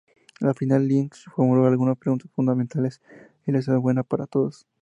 Al final, Lynch formuló algunas preguntas fundamentales: ¿es la ciudad buena para todos?